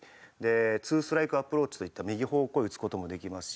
ツーストライクアプローチといった右方向へ打つ事もできますし。